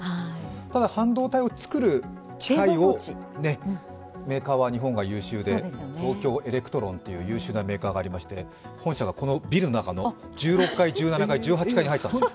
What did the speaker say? ただ半導体を作る機械はメーカーは日本が優秀で、東京エレクトロンという優秀なメーカーがありまして、本社がこのビルの中の１６、１７、１８階に入ってたんですよ。